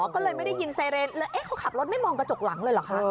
ก็เลยไม่ได้ยินไซเรนเลยเขาขับรถไม่มองกระจกหลังเลยเหรอคะ